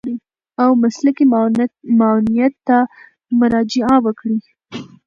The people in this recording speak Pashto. او مسلکي معاونيت ته مراجعه وکړي.